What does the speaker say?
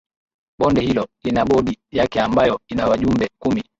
Bonde hilo lina Bodi yake ambayo ina wajumbe kumi